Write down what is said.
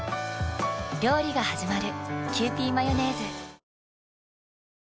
料理がはじまる。